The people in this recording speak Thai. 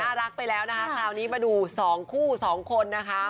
รักไปแล้วนะคะคราวนี้มาดูสองคู่สองคนนะคะ